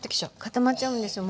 固まっちゃうんですよ。